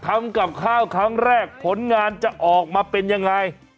ถัดทำกลับข้างแรกผลงานจะออกมาเป็นยังไง